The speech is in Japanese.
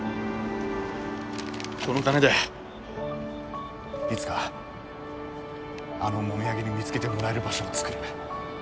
この金でいつかあのもみあげに見つけてもらえる場所を作る。